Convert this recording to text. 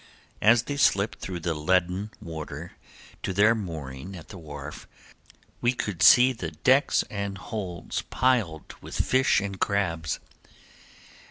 As they slipped through the leaden water to their mooring at the wharf we could see the decks and holds piled with fish and crabs.